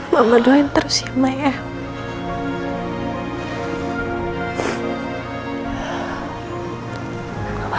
mama doain terus ya maya